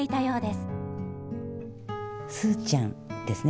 「すーちゃん」ですね。